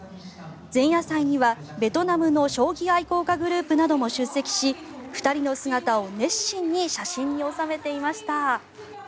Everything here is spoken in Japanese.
前夜祭にはベトナムの将棋愛好家グループなども出席し２人の姿を熱心に写真に収めていました。